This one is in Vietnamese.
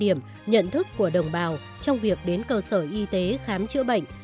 bảo hiểm y tế là một trong những quan điểm nhận thức của đồng bào trong việc đến cơ sở y tế khám chứa bệnh